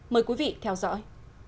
mời quý vị theo dõi